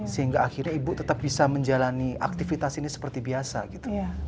sehingga akhirnya ibu tetap bisa menjalani aktivitas ini seperti biasa gitu